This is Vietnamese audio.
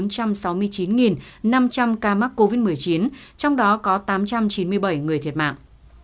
năm trăm linh ca mắc covid một mươi chín trong đó có tám trăm chín mươi bảy người thiệt mạng